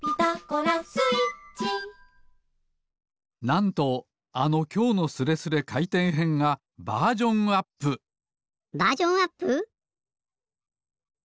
なんとあの「きょうのスレスレかいてんへん」がバージョンアップバージョンアップ！？